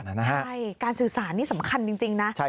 ใช่การสื่อสารนี่สำคัญจริงนะ